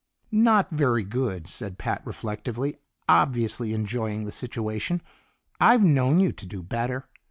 "Not very good," said Pat reflectively, obviously enjoying the situation. "I've known you to do better."